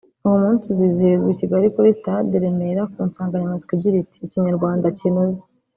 uwo munsi uzizihirizwa i Kigali kuri Stade i Remera ku nsanganyamatsiko igira iti “Ikinyarwanda kinoze